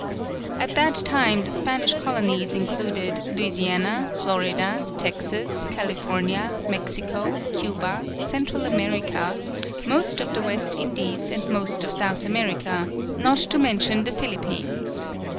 At that time the Spanish Colonies included Louisiana, Florida, Texas, California, Mexico, Cuba, Central America, most of the West Indies, and most of South America, not to mention the Philippines.